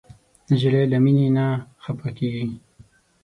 نجلۍ له مینې نه خفه کېږي.